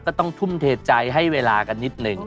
ต้องทุ่มเทใจให้เวลากันนิดหนึ่ง